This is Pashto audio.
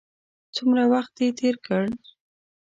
څومره وخت دې تېر کړ.